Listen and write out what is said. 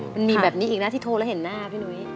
มันมีแบบนี้อีกนะที่โทรแล้วเห็นหน้าพี่นุ้ย